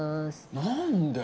何で？